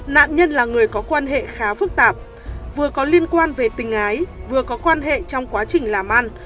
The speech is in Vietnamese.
nạn nhân là người có quan hệ khá phức tạp vừa có liên quan về tình ái vừa có quan hệ trong quá trình làm ăn